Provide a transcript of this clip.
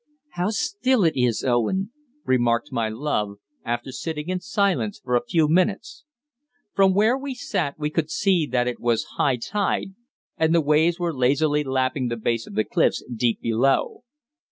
"How still it is, Owen," remarked my love, after sitting in silence for a few minutes. From where we sat we could see that it was high tide, and the waves were lazily lapping the base of the cliffs deep below.